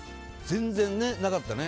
全然なかったね。